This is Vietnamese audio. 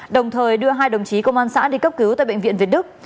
đồng thời đưa hai đồng chí công an xã đi cấp cứu tại bệnh viện việt đức